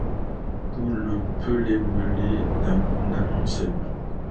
Tout le pêle-mêle d’un amoncellement.